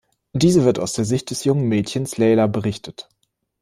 Diese wird aus der Sicht des jungen Mädchens Leyla berichtet.